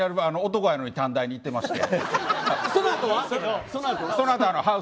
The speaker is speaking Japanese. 男なのに短大に行ってまして。